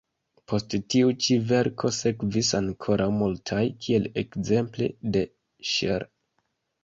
Post tiu ĉi verko sekvis ankoraŭ multaj, kiel ekzemple de Chr.